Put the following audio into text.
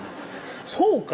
そうか！